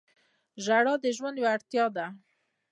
• ژړا د ژوند یوه اړتیا ده.